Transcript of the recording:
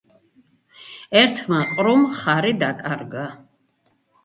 ერთმა ყრუმ ხარი დაკარგა